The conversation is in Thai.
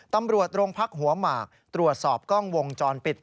ตำรวจโรงพักหัวหมากตรวจสอบกล้องวงจรปิด